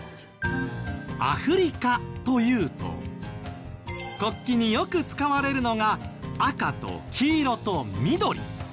アフリカというと国旗によく使われるのが赤と黄色と緑。